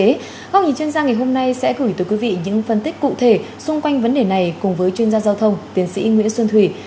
ngọc nhị chuyên gia ngày hôm nay sẽ gửi tới quý vị những phân tích cụ thể xung quanh vấn đề này cùng với chuyên gia giao thông tiến sĩ nguyễn xuân thùy